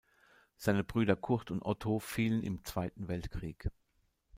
Seine Brüder Kurt und Otto fielen im Zweiten Weltkrieg.